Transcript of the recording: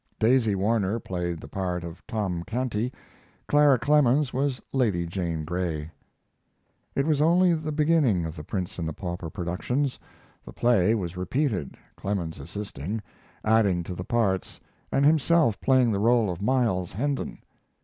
Daisy Warner played the part of Tom Canty, Clara Clemens was Lady Jane Grey. It was only the beginning of The Prince and the Pauper productions. The play was repeated, Clemens assisting, adding to the parts, and himself playing the role of Miles Hendon.